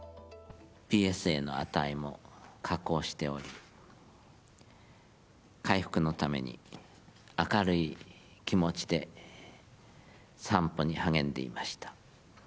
ＰＳＡの値も下降しており、回復のために明るい気持ちで散歩に励んでいました。